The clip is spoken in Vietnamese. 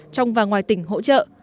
trong và ngoài tỉnh hỗ trợ